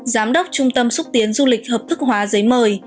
giám đốc trung tâm xúc tiến du lịch hợp thức hóa giấy mời